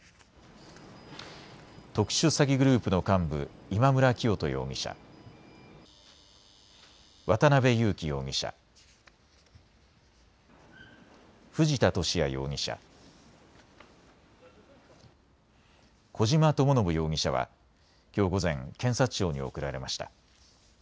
特殊詐欺グループの幹部、今村磨人容疑者、渡邉優樹容疑者、藤田聖也容疑者、小島智信容疑者はきょう午前、検察庁に送られました。